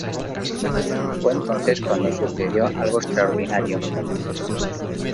Fue entonces cuando sucedió algo extraordinario.